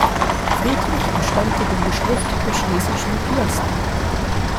Friedrich entstammte dem Geschlecht der Schlesischen Piasten.